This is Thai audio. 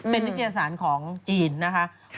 เป็นนิตยสารของจีนนะคะ